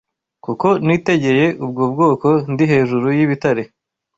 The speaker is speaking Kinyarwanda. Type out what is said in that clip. Kuko nitegeye ubwo bwoko ndi hejuru y’ibitare